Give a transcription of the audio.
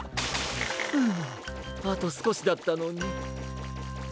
うんあとすこしだったのに。